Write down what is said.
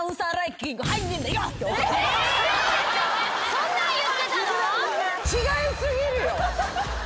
そんなん言ってたの！？